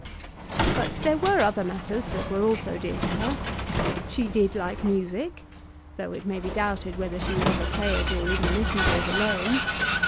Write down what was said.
But there were other matters that were also dear to her. She did like music, though it may be doubted whether she would ever play it or even listen to it alone.